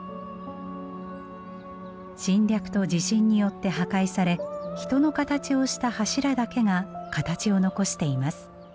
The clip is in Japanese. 侵略と地震によって破壊され人の形をした柱だけが形を残しています。